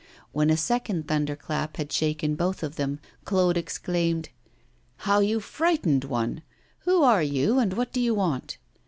When a second thunder clap had shaken both of them, Claude exclaimed: 'How you frighten one! Who are you, and what do you want?